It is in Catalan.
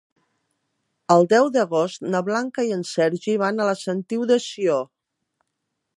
El deu d'agost na Blanca i en Sergi van a la Sentiu de Sió.